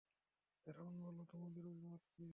ফিরআউন বলল, তোমাদের অভিমত কি?